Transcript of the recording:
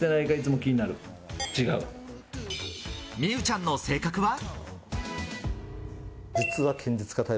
美羽ちゃんの性格は？